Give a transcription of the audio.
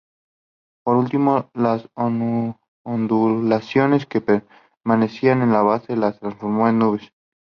Por último, las ondulaciones que permanecían en la base, las transformó en nubes.